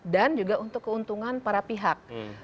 dan juga untuk keuntungan para pihak